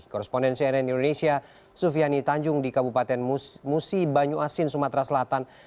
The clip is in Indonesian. korresponden cnn indonesia sufiani tanjung di kabupaten musi banyu asin sumatera selatan